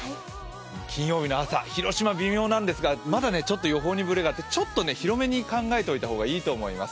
金曜日の朝、広島、微妙なんですが、まだちょっと予報にブレがあって、ちょっと広めに考えておいた方がいいと思います。